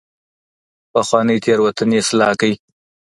پخوانۍ تېروتني اصلاح کړئ.